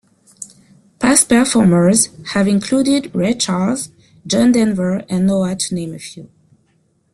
Past performers have included Ray Charles, John Denver, and Noa to name a few.